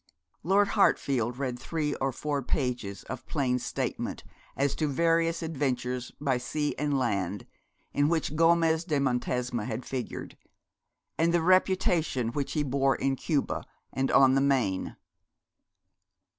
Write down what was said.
Lord Hartfield read three or four pages of plain statement as to various adventures by sea and land in which Gomez de Montesma had figured, and the reputation which he bore in Cuba and on the Main.